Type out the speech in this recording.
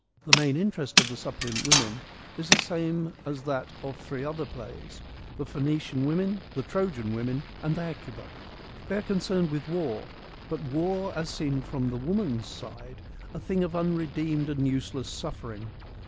The main interest of the Suppliant Women is the same as that of three other plays : the Phoenician Women, the Trojan Women, and the Hecuba. They are concerned with war ; but war, as seen from the woman's side, a thing of unredeemed and useless suffering.